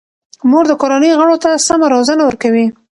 مور د کورنۍ غړو ته سمه روزنه ورکوي.